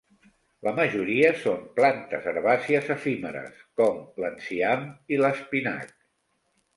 La majoria són plantes herbàcies efímeres com l'enciam i l'espinac.